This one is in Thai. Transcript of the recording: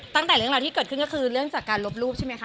ตั้งแต่เรื่องราวที่เกิดขึ้นก็คือเรื่องจากการลบรูปใช่ไหมคะ